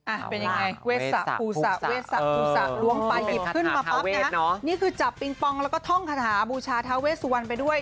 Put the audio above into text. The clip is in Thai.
อ่ะเป็นยังไงเวสะภูสะเวสะภูสะล้วงไปหยิบขึ้นมาปั๊บนะนี่คือจับปิงปองแล้วก็ท่องคาถาบูชาทาเวสุวรรณไปด้วย